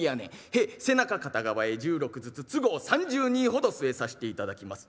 『へえ背中片側へ１６ずつ都合３２ほど据えさしていただきます』。